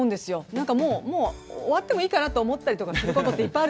何かもうもう終わってもいいかなと思ったりとかすることっていっぱいあるでしょ。